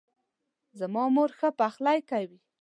زما مور ښه پخلۍ کوي